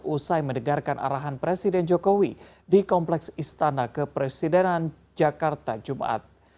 usai mendengarkan arahan presiden jokowi di kompleks istana kepresidenan jakarta jumat